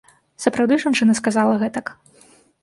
Сапраўды жанчына сказала гэтак.